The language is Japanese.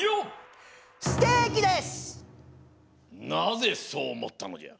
なぜそうおもったのじゃ？